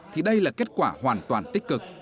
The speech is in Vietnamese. thì đây là kết quả hoàn toàn tích cực